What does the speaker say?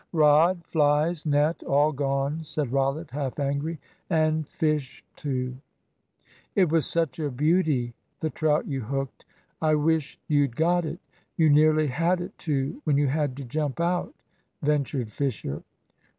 "Rod, flies, net, all gone," said Rollitt, half angry; "and fish too." "It was such a beauty, the trout you hooked. I wish you'd got it. You nearly had it too when you had to jump out," ventured Fisher.